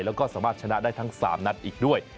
แล้วก็สามารถชนะได้ทั้ง๓นัดอีกด้วย